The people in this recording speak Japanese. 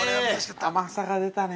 ◆甘さが出たね。